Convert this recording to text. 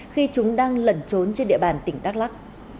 khi chúng đang lẩn trốn trên địa bàn tỉnh đắk lắc